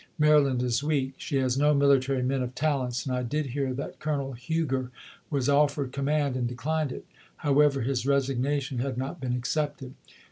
Maryland is weak. She has no military men of talents, and I did hear that Colonel Huger was offered command and declined it — however, his resignation had not been accepted.